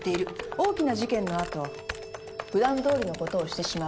大きな事件のあとふだんどおりのことをしてしまう。